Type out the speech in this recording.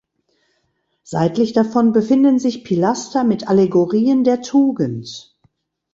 Seitlich davon befinden sich Pilaster mit Allegorien der Tugend.